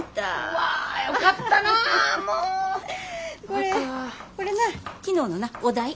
これこれな昨日のなお代。